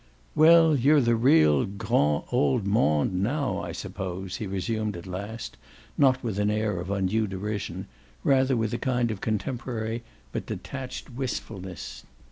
"Well, you're in the real 'grand' old monde now, I suppose," he resumed at last, not with an air of undue derision rather with a kind of contemporary but detached wistfulness.